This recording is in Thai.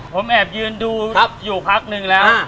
ผมแอบยืนดูอยู่พักนึงแล้ว